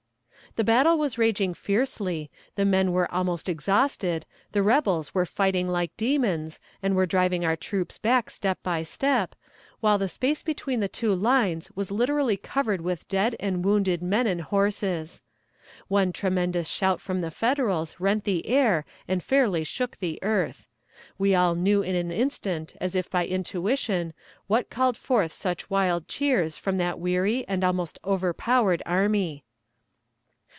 The battle was raging fiercely, the men were almost exhausted, the rebels were fighting like demons, and were driving our troops back step by step, while the space between the two lines was literally covered with dead and wounded men and horses. One tremendous shout from the Federals rent the air and fairly shook the earth. We all knew in an instant, as if by intuition, what called forth such wild cheers from that weary and almost overpowered army.